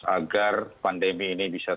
agar pandemi ini bisa